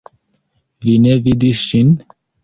Vi ne vidis ŝin?